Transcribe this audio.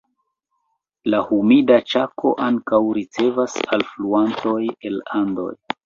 La Humida Ĉako ankaŭ ricevas alfluantoj el Andoj.